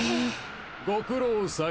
ご苦労さん。